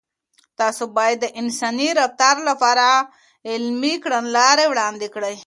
تاسو باید د انساني رفتار لپاره عملي کړنلارې وړاندې کړئ.